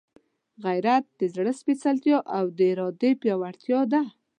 غیرت د زړه سپېڅلتیا او د ارادې پیاوړتیا ده.